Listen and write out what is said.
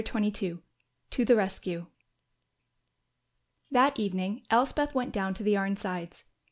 CHAPTER XXII TO THE RESCUE That evening Elspeth went down to the Arnsides.